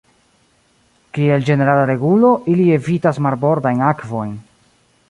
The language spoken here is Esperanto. Kiel ĝenerala regulo, ili evitas marbordajn akvojn.